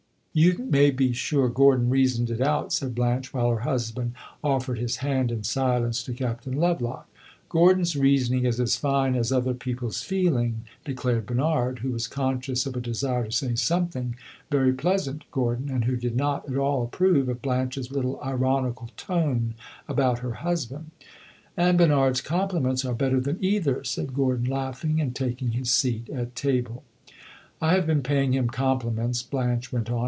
"You may be sure Gordon reasoned it out," said Blanche, while her husband offered his hand in silence to Captain Lovelock. "Gordon's reasoning is as fine as other people's feeling!" declared Bernard, who was conscious of a desire to say something very pleasant to Gordon, and who did not at all approve of Blanche's little ironical tone about her husband. "And Bernard's compliments are better than either," said Gordon, laughing and taking his seat at table. "I have been paying him compliments," Blanche went on.